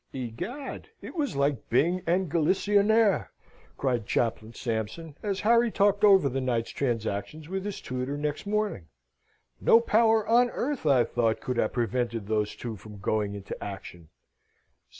"Egad, it was like Byng and Galissoniere!" cried Chaplain Sampson, as Harry talked over the night's transactions with his tutor next morning. "No power on earth, I thought, could have prevented those two from going into action!"